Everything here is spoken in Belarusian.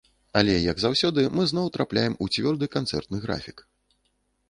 Але як заўсёды, мы зноў трапляем у цвёрды канцэртны графік.